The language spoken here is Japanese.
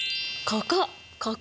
ここ！